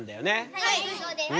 はいそうです。